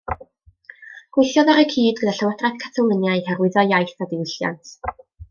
Gweithiodd ar y cyd gyda Llywodraeth Catalwnia i hyrwyddo iaith a diwylliant.